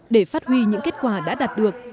để phát huy những kết quả đã đạt được